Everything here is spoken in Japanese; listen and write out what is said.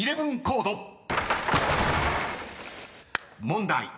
［問題］